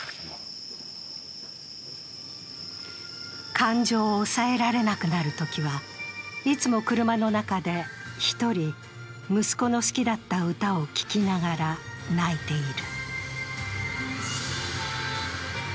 感情を抑えられなくなるときは、いつも車の中で一人、息子の好きだった歌を聴きながら泣いている。